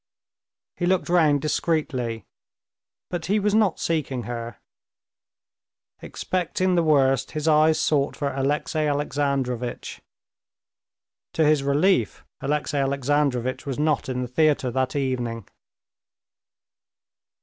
He looked round discreetly, but he was not seeking her; expecting the worst, his eyes sought for Alexey Alexandrovitch. To his relief Alexey Alexandrovitch was not in the theater that evening.